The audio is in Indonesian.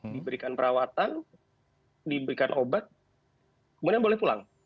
diberikan perawatan diberikan obat kemudian boleh pulang